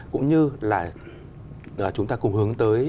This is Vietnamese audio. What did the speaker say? cũng như là chúng ta cùng hướng tới